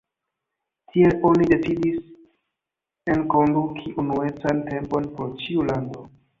Tiel oni decidis enkonduki unuecan tempon por ĉiu lando.